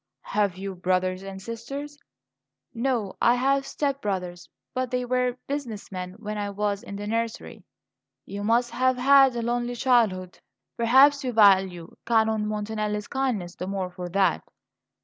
"Have you brothers and sisters?" "No; I have step brothers; but they were business men when I was in the nursery." "You must have had a lonely childhood; perhaps you value Canon Montanelli's kindness the more for that.